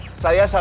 tapi sudah senang